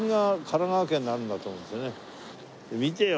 見てよ！